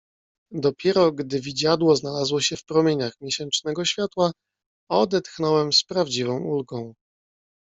"Dopiero, gdy widziadło znalazło się w promieniach miesięcznego światła, odetchnąłem z prawdziwą ulgą."